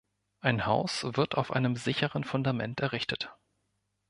Ein Haus wird auf einem sicheren Fundament errichtet.